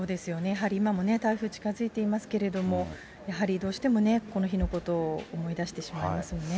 やはり今も台風近づいていますけれども、やはりどうしてもね、この日のことを思い出してしまいますよね。